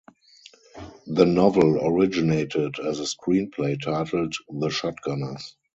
The novel originated as a screenplay titled "The Shotgunners".